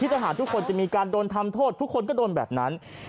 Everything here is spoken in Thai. ทหารทุกคนจะมีการโดนทำโทษทุกคนก็โดนแบบนั้น